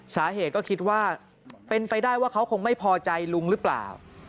สาเหตุก็คิดว่าเป็นไปได้ว่าเขาคงไม่พอใจลุงหรือเปล่า